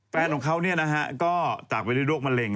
แฟนของเขาเนี่ยนะฮะก็ตากไปด้วยโดรกมะเร็ง